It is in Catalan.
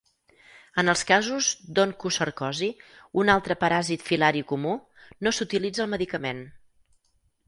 En els casos d'oncocercosi, un altre paràsit filari comú, no s'utilitza el medicament.